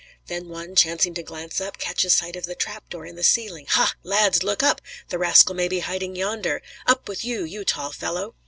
Then one, chancing to glance up, catches sight of the trap door in the ceiling. "Ha! lads, look up! the rascal may be hiding yonder! Up with you, you tall fellow!"